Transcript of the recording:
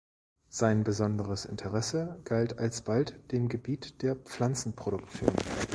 Sein besonderes Interesse galt alsbald dem Gebiet der Pflanzenproduktion.